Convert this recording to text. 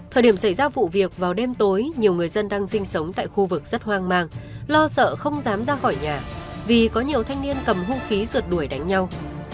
thời điểm xảy ra vụ việc vào đêm tối nhiều người dân đang sinh sống tại khu vực rất hoang mang lo sợ không dám ra khỏi nhà vì có nhiều thanh niên cầm hung khí rượt đuổi đánh nhau